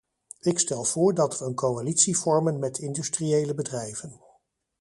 Ik stel voor dat we een coalitie vormen met industriële bedrijven.